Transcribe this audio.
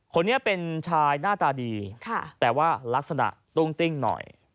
คนนี้เป็นชายหน้าตาดีแต่ว่ารักษณะตุ้งติ้งหน่อย